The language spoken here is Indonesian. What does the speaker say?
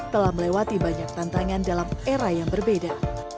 telah melewati banyak tantangan dalam era yang berbeda